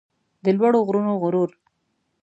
د لوړو غرونو غرور